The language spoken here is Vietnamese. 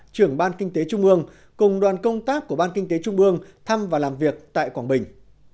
trưởng ban kinh tế trung ương cùng đoàn công tác của ban kinh tế trung ương thăm và làm việc tại quảng bình